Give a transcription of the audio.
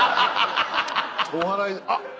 お祓いあっ！